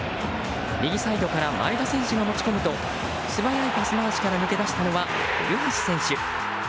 右サイドから前田選手が持ち込むと素早いパス回しから抜け出したのは古橋選手。